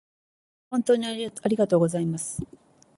本当にありがとうございます